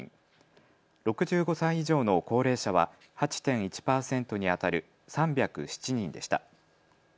６５歳以上の高齢者は８．１％にあたる３０７人でした。